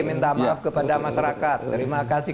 minta maaf kepada masyarakat terima kasih